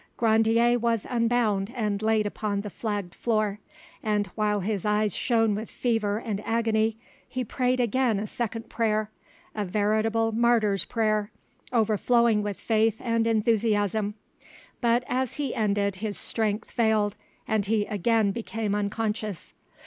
Grandier was unbound and laid upon the flagged floor, and while his eyes shone with fever and agony he prayed again a second prayer—a veritable martyr's prayer, overflowing with faith and enthusiasm; but as he ended his strength failed, and he again became unconscious.